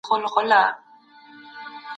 د قران کریم ایتونه واضح دي.